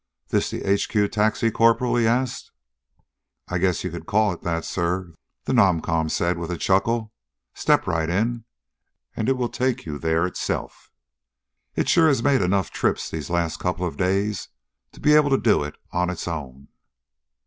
"This the H.Q. taxi, Corporal?" he asked. "I guess you could call it that, sir," the non com said with a chuckle. "Step right in and it will take you there itself. It sure has made enough trips these last couple of days to be able to do it on its own."